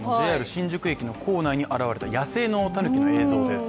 ＪＲ新宿駅の構内に現れた野生のたぬきの映像です。